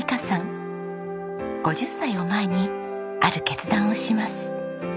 ５０歳を前にある決断をします。